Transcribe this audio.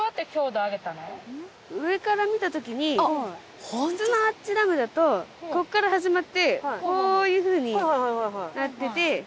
上から見た時に普通のアーチダムだとここから始まってこういうふうになってて。